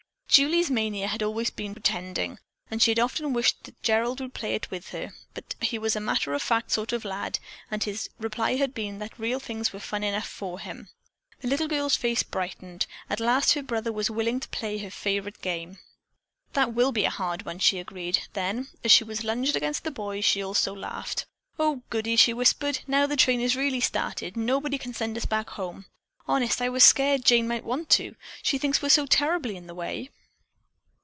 Julie's mania had always been "pretending," and she had often wished that Gerald would play it with her, but he was a matter of fact sort of a lad, and his reply had been that real things were fun enough for him. The little girl's face brightened. At last her brother was willing to play her favorite game. "That will be a hard one," she agreed. Then, as she was lunged against the boy, she also laughed. "Oh, goodie!" she whispered. "Now the train is really started nobody can send us back home. Honest, I was skeered Jane might want to. She thinks we're so terribly in the way."